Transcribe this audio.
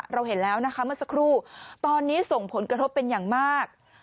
เราเห็นแล้วนะคะเมื่อสักครู่ตอนนี้ส่งผลกระทบเป็นอย่างมาก